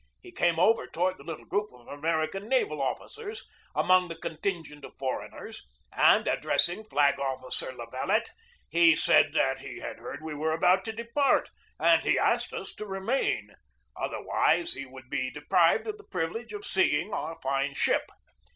He came over toward the little group of American naval officers among the contingent of for eigners and, addressing Flag Officer La Valette, he said that he had heard we were about to depart and he asked us to remain; otherwise he would be de prived of the privilege of seeing our fine ship.